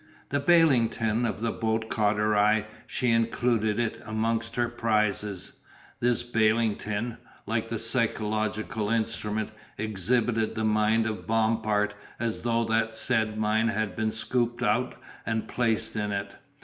The baling tin of the boat caught her eye, she included it amongst her prizes. This baling tin, like a psychological instrument, exhibited the mind of Bompard as though that said mind had been scooped out and placed in it.